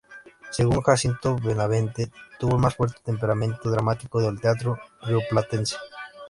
Según Jacinto Benavente, tuvo el más fuerte temperamento dramático del teatro rioplatense.